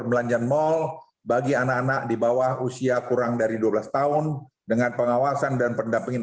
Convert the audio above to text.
perbelanjaan mal bagi anak anak di bawah usia kurang dari dua belas tahun dengan pengawasan dan pendampingan